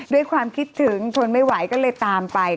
ด้วยความคิดถึงทนไม่ไหวก็เลยตามไป